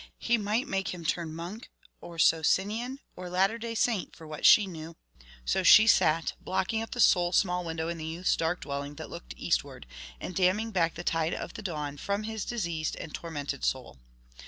He might make him turn monk, or Socinian, or latter day saint, for what she knew! So she sat, blocking up the sole small window in the youth's dark dwelling that looked eastward, and damming back the tide of the dawn from his diseased and tormented soul.